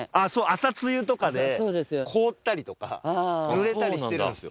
朝露とかで凍ったりとか濡れたりしてるんですよ。